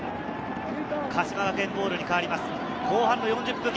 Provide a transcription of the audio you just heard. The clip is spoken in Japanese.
鹿島学園ボールに変わります。